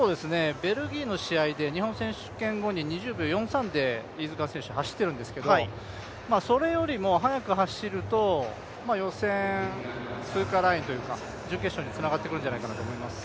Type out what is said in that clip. ベルギーの試合で２０秒４３で飯塚選手走っているんですけれども、それらりも速く走ると予選通過ラインというか、準決勝につながってくるんじゃないかなと思います。